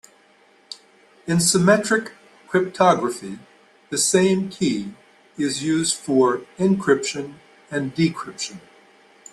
In symmetric cryptography the same key is used for encryption and decryption.